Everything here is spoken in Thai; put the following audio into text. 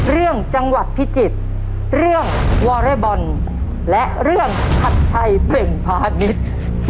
เรื่องจังหวัดพิจิตรเรื่องวอเรย์บอลและเรื่องชัดชัยเป่งพาณิชย์